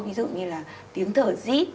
ví dụ như là tiếng thở dít